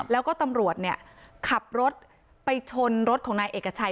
แล้วก็ตำรวจเนี่ยขับรถไปชนรถของนายเอกชัย